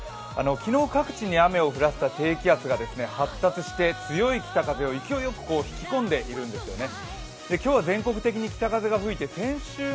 昨日各地に雨を降らせた低気圧が発達して強い北風を勢いよく引き込んでいるんですよね。